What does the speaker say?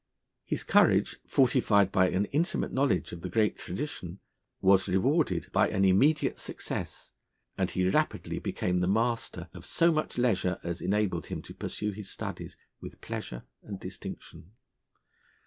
His courage, fortified by an intimate knowledge of the great tradition, was rewarded by an immediate success, and he rapidly became the master of so much leisure as enabled him to pursue his studies with pleasure and distinction.